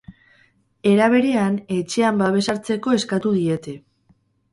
Era berean, etxean babes hartzeko eskatu diete.